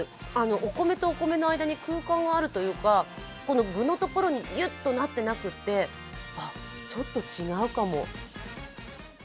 お米とお米の間に空間があるというかこの具のところにギュッとなってなくて、ちょっと違うかも。